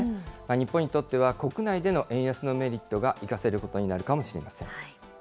日本にとっては、国内での円安のメリットが生かせることになるかもしれません。